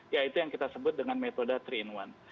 yaitu yang kita sebut dengan metode tiga in satu